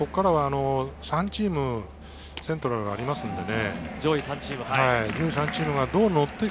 ここからは３チーム、セントラルにありますからね。